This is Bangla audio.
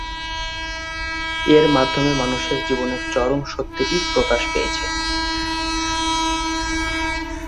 এর মাধ্যমে মানুষের জীবনের চরম সত্যটি প্রকাশ পেয়েছে।